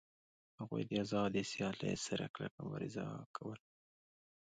هغوی د آزادې سیالۍ سره کلکه مبارزه کوله